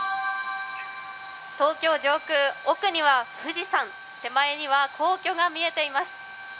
東京上空、奥には富士山、手前には皇居が見えています。